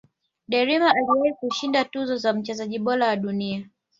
delima aliwahi kushinda tuzo ya mchezaji bora wa dunia